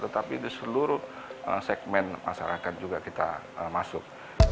tetapi di seluruh segmen masyarakat juga kita masuk